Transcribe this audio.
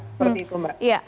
seperti itu mbak